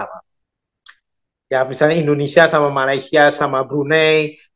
ya misalnya indonesia sama malaysia sama brunei